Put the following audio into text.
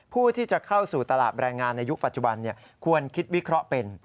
ผู้ที่จะเข้าสู่ตลาดแรงงานในยุคปัจจุบันควรคิดวิเคราะห์เป็น